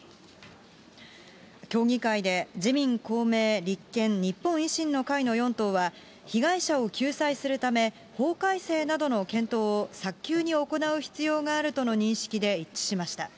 協議会で自民、公明、立憲、日本維新の会の４党は、被害者を救済するため、法改正などの検討を早急に行う必要があるとの認識で一致しました。